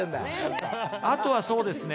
あとは、そうですね